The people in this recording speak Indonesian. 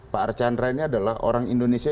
pak archandra ini adalah orang indonesia